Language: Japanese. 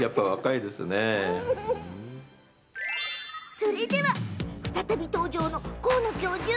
それでは再び登場の高野教授。